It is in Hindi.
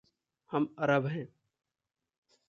हम अरब हैं।